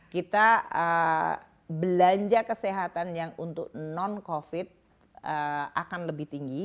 kita belanja kesehatan yang untuk non covid akan lebih tinggi